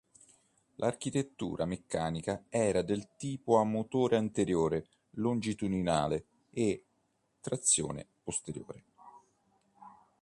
L'architettura meccanica era del tipo a motore anteriore longitudinale e trazione posteriore.